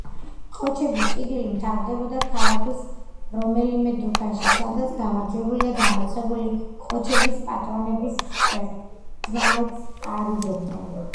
ყოჩების ჭიდილი მთავრდებოდა ქალაქის რომელიმე დუქანში, სადაც გამარჯვებული და დამარცხებული ყოჩების პატრონებს ერთმანეთს „არიგებდნენ“.